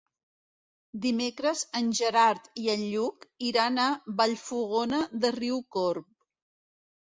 Dimecres en Gerard i en Lluc iran a Vallfogona de Riucorb.